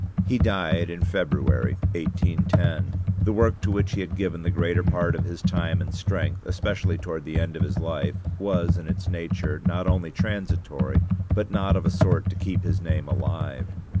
He died in February, 1810. The work to which he had given the greater part of his time and strength, especially toward the end of his life, was in its nature not only transitory, but not of a sort to keep his name alive.